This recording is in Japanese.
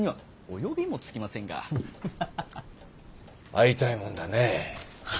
会いたいもんだねえ。